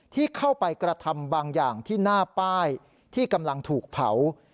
ที่เข้าไปกระทำบางอย่างที่หน้าป้ายที่กำลังถูกเผา